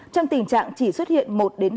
trong tình trạng chỉ xuất hiện một hai trường học